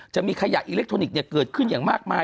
จะมีขยะอิเล็กทรอนิกส์เกิดขึ้นอย่างมากมาย